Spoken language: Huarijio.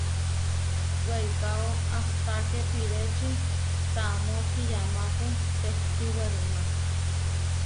Weikáo ahtaké pireči tamó kiyamápu tehkí werumá.